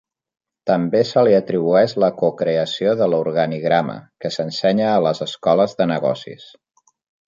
També se li atribueix la cocreació de l'organigrama, que s'ensenya a les escoles de negocis.